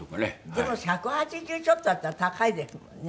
でも１８０ちょっとあったら高いですもんね。